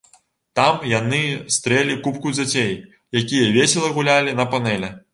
Там яны стрэлі купку дзяцей, якія весела гулялі на панелі.